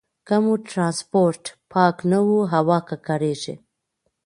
که مو ټرانسپورټ پاک نه وي، هوا ککړېږي.